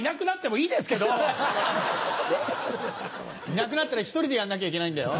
いなくなったら１人でやんなきゃいけないんだよ。